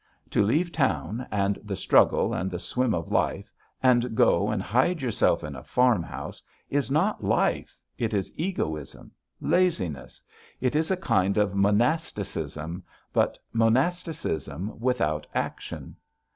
To leave town, and the struggle and the swim of life, and go and hide yourself in a farmhouse is not life it is egoism, laziness; it is a kind of monasticism, but monasticism without action.